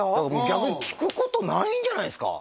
逆に聞くことないんじゃないっすか？